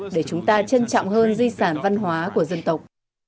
để chúng ta trân trọng hơn di sản văn hóa của dân tộc